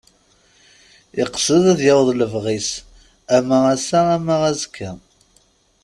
Iqsed ad yaweḍ lebɣi-s ama ass-a ama azekka.